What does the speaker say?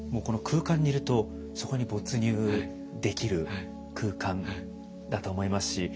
この空間にいるとそこに没入できる空間だと思いますし